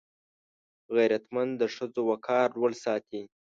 غیرتمند د ښځو وقار لوړ ساتي